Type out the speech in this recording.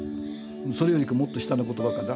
それよりかもっと下の言葉かな。